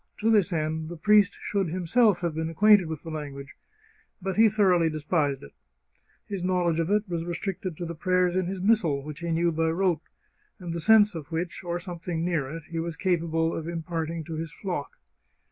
To this end the priest should him self have been acquainted with the language. But he thor oughly despised it. His knowledge of it was restricted to the prayers in his missal, which he knew by rote, and the sense of which, or something near it, he was capable of im parting to his flock.